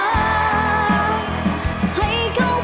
ไม่ต้องการ